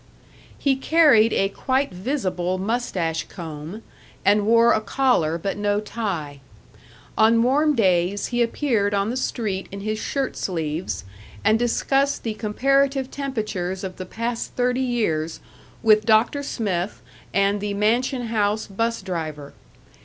He carried a quite visible mustache comb and wore a collar, but no tie. On warm days he appeared on the street in his shirt sleeves, and discussed the comparative temperatures of the past thirty years with Doctor Smith and the Mansion House 'bus driver.